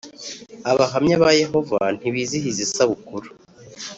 Abahamya ba Yehova ntibizihiza isabukuru